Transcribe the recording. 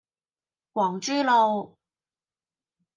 皇珠路